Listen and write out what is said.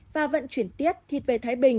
và vận chuyển tiết thịt về thái bình